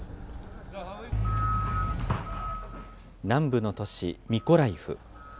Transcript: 南部の都市ミコライフ。